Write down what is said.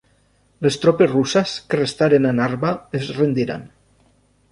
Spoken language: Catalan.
Les tropes russes que restaren a Narva es rendiren.